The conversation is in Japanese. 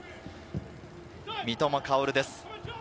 三笘薫です。